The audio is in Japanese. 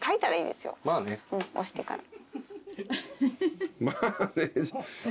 押してから。